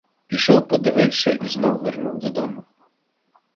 Пішов, подивився і знов вернув додому.